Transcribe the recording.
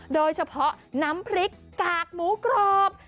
โดยเฉพาะน้ำพริกกากหมูกรอบ